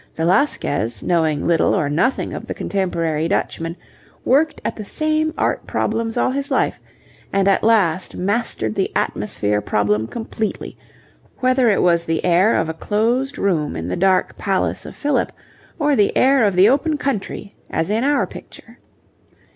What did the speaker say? Velasquez, knowing little or nothing of the contemporary Dutchmen, worked at the same art problems all his life, and at last mastered the atmosphere problem completely, whether it was the air of a closed room in the dark palace of Philip, or the air of the open country, as in our picture.